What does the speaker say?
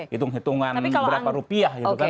hitung hitungan berapa rupiah gitu kan